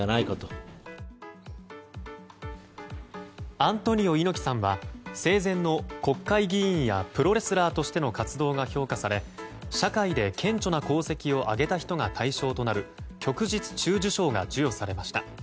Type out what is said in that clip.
アントニオ猪木さんは生前の国会議員やプロレスラーとしての活動が評価され社会で顕著な功績を挙げた人が対象となる旭日中綬章が授与されました。